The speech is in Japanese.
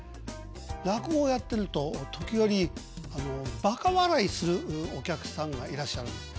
落語をやってると時折ばか笑いするお客さんがいらっしゃるんです。